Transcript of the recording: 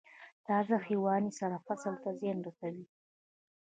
تازه حیواني سره فصل ته زیان رسوي؟